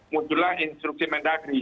muncullah instruksi mendagri